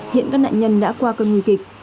hiện các nạn nhân đã qua cơn nguy kịch